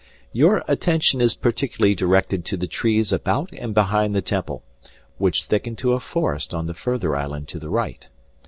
Your attention is particularly directed to the trees about and behind the temple, which thicken to a forest on the further island to the right.